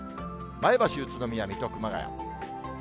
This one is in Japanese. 前橋、宇都宮、水戸、熊谷。